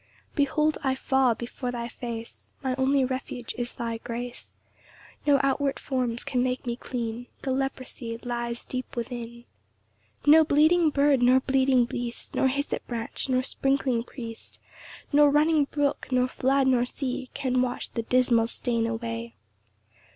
] 4 Behold I fall before thy face; My only refuge is thy grace: No outward forms can make me clean; The leprosy lies deep within. 5 No bleeding bird, nor bleeding beast, Nor hyssop branch, nor sprinkling priest, Nor running brook, nor flood, nor sea, Can wash the dismal stain away.